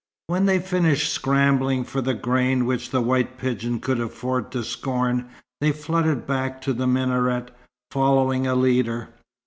When they finished scrambling for the grain which the white pigeon could afford to scorn, they fluttered back to the minaret, following a leader.